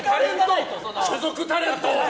所属タレント！